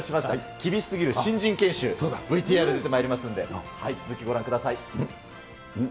厳しすぎる新人研修、ＶＴＲ出てまいりますんで、続きご覧ください。